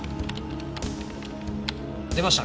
出ました。